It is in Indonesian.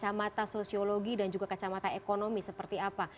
kecamatan sosialologi dan juga kecamatan ekonomi seperti apa